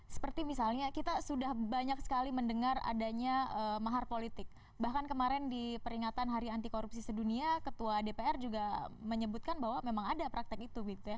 seperti misalnya kita sudah banyak sekali mendengar adanya mahar politik bahkan kemarin di peringatan hari anti korupsi sedunia ketua dpr juga menyebutkan bahwa memang ada praktek itu gitu ya